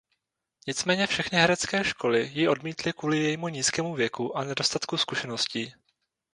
Nicméně všechny herecké školy ji odmítly kvůli jejímu nízkému věku a nedostatku zkušeností.